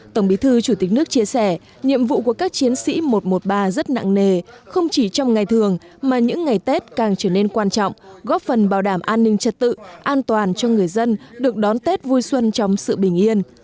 tổng bí thư chủ tịch nước chia sẻ nhiệm vụ của các chiến sĩ một trăm một mươi ba rất nặng nề không chỉ trong ngày thường mà những ngày tết càng trở nên quan trọng góp phần bảo đảm an ninh trật tự an toàn cho người dân được đón tết vui xuân trong sự bình yên